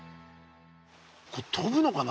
これとぶのかな？